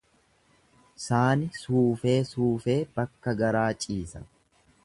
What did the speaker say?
Saani suufee suufee bakka garaa ciisa.